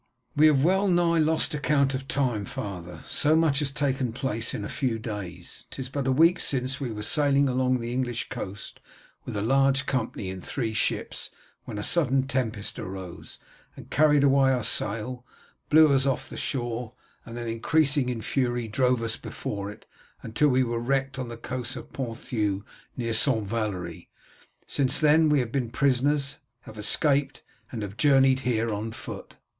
"We have well nigh lost account of time, father, so much has taken place in a few days. 'Tis but a week since we were sailing along the English coast with a large company in three ships, when a sudden tempest arose, carried away our sail, blew us off the shore, and then increasing in fury drove us before it until we were wrecked on the coast of Ponthieu, near St. Valery. Since then we have been prisoners, have escaped, and have journeyed here on foot."